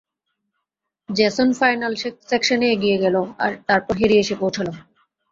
Jason final সেকশনে এগিয়ে গেল, আর তারপর হ্যারি এসে পৌঁছাল।